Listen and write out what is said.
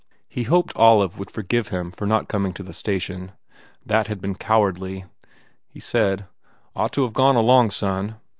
He hoped Olive would forgive him for not coming to the station. That had been cowardly. He said, "Ought to have gone along, son. ..